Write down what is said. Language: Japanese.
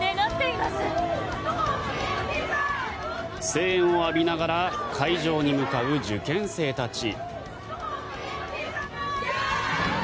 声援を浴びながら会場に向かう受験生たち。